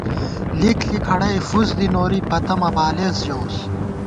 لِک ݪی کھڑَئی فُس دی نوری، پتہ مہ بالېس ژَوُس